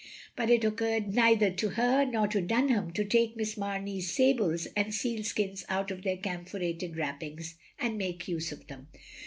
But it occurred neither to her nor to Dunham to take Miss Mamey's sables and sealskins out of their camphorated wrappings, and make use of them.